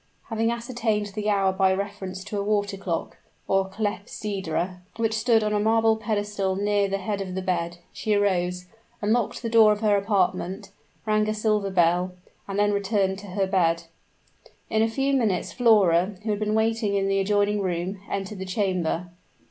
Having ascertained the hour by reference to a water clock, or clepsydra, which stood on a marble pedestal near the head of the bed, she arose unlocked the door of her apartment rang a silver bell and then returned to her bed. In a few minutes Flora, who had been waiting in the adjoining room, entered the chamber.